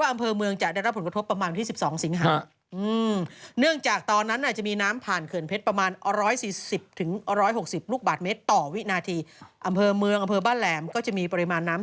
เมืองอำเภอบ้านแหลมก็จะมีปริมาณน้ำสูงขึ้น๒๐๕๐เซนติเมตรสูงไหม๕๐เซนติเมตรสูงเนอะ